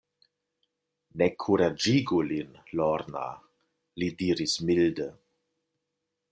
Ne kuraĝigu lin, Lorna, li diris milde.